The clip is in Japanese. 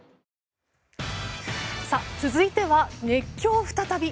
続いては、熱狂再び。